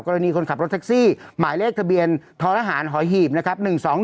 กรณีคนขับรถแท็กซี่หมายเลขทะเบียนทรหารหอยหีบ๑๒๑๐